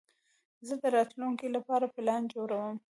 زه د راتلونکي لپاره پلان جوړوم.